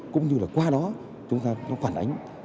cũng như là qua đó chúng ta phản ánh